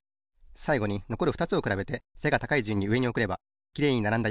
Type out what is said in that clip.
さいごにのこるふたつをくらべて背が高いじゅんにうえにおくればきれいにならんだ